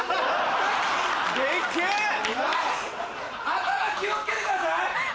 頭気を付けてください！